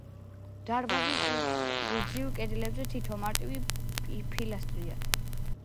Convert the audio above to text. დარბაზის გრძივ კედლებზე თითო მარტივი პილასტრია.